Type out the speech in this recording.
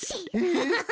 フフフ。